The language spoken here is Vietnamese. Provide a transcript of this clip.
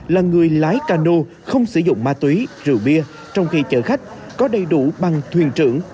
là người lái cano không sử dụng ma túy rượu bia trong khi chở khách có đầy đủ bằng thuyền trưởng